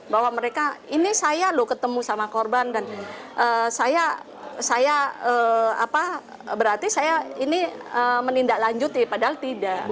bahwa mereka ini saya loh ketemu sama korban dan saya apa berarti saya ini menindaklanjuti padahal tidak